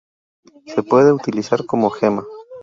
Se puede utilizar como gema.